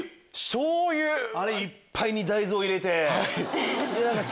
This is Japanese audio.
あれいっぱいに大豆を入れて。